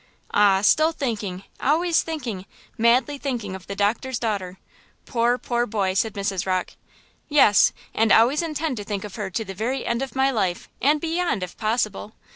"Ah, still thinking–always thinking, madly thinking of the doctor's daughter! Poor, poor boy!" said Mrs. Rocke. "Yes, and always intend to think of her to the very end of my life, and beyond, if possible!